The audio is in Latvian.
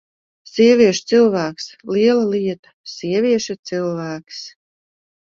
Sievieša cilvēks! Liela lieta: sievieša cilvēks!